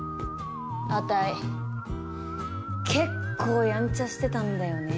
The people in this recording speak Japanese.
あたい結構ヤンチャしてたんだよね。